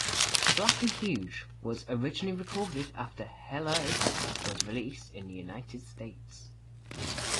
"Black and Huge" was originally recorded after "Hell-O" was released in the United States.